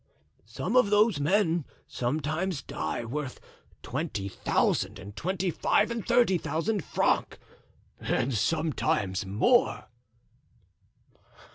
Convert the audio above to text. "Some of those men sometimes die worth twenty thousand and twenty five and thirty thousand francs and sometimes more."